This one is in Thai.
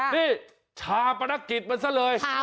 นี่ชาปนกิจมันซะเลย